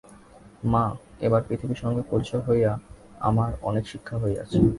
মা, এবার পৃথিবীর সঙ্গে পরিচয় হইয়া আমার অনেক শিক্ষা হইয়াছে।